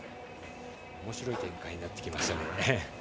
おもしろい展開になってきましたね。